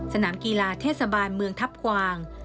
สนามกีฬาเทศบาลเมืองทัพกวาง